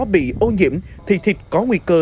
bị ô nhiễm thì thịt có nguy cơ